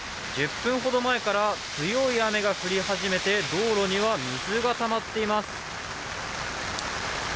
１０分ほど前から強い雨が降り始めて道路には水がたまっています。